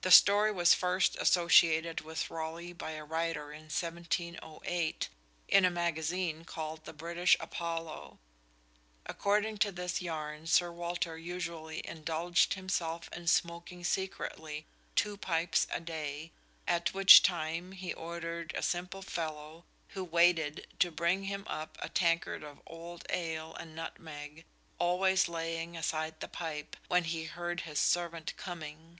The story was first associated with Raleigh by a writer in 1708 in a magazine called the British Apollo. According to this yarn Sir Walter usually "indulged himself in Smoaking secretly, two pipes a Day; at which time, he order'd a Simple Fellow, who waited, to bring him up a Tankard of old Ale and Nutmeg, always laying aside the Pipe, when he heard his servant coming."